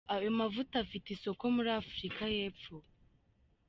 Ayo mavuta afite isoko muri Afurika y’Epfo.